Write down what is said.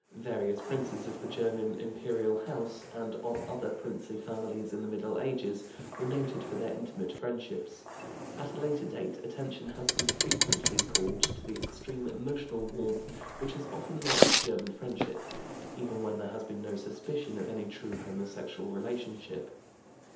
Various princes of the German Imperial house, and of other princely families in the Middle Ages, were noted for their intimate friendships. At a later date, attention has frequently been called to the extreme emotional warmth which has often marked German friendship, even when there has been no suspicion of any true homosexual relationship.